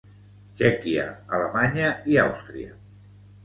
Txèquia, Alemanya i Àustria.